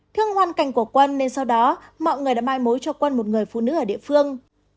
thương hoàn cảnh của quân nên sau đó mọi người đã mai mối cho quân một người phụ nữ ở địa phương